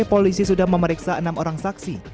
polisi sudah memeriksa enam orang saksi